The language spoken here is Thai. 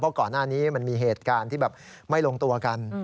เพราะก่อนหน้านี้มันมีเหตุการณ์ที่แบบไม่ลงตัวกัน